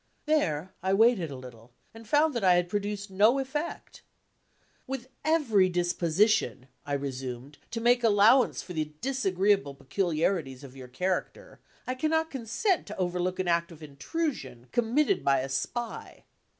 There, I waited a little, and found that I had produced no effect. "With every disposition," I resumed, "to make allowance for the disagreeable peculiarities of your character, I cannot consent to overlook an act of intrusion, committed by a Spy.